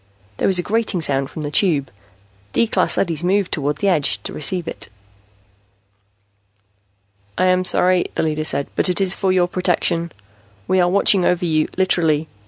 There was a grating sound from the Tube. D class leadys moved toward the edge to receive it. "I am sorry," the leader said, "but it is for your protection. We are watching over you, literally.